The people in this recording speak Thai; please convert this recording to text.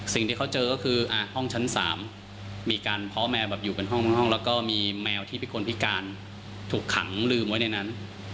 สิ่งที่เขาเจอก็คือห้องชั้น๓มีการเพาะแมวแบบอยู่กันห้องแล้วก็มีแมวที่เป็นคนพิการถูกขังลืมไว้ในนั้น